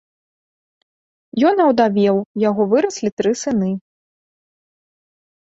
Ён аўдавеў, у яго выраслі тры сыны.